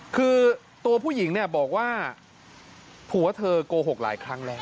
คือตัวผู้หญิงเนี่ยบอกว่าผัวเธอโกหกหลายครั้งแล้ว